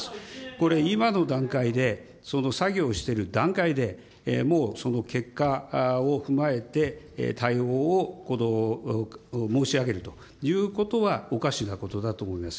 これ、今の段階でその作業をしている段階で、もうその結果を踏まえて対応を申し上げるということはおかしなことだと思います。